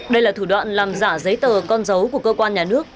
đây là thủ đoạn làm giả giấy tờ con dấu của cơ quan nhà nước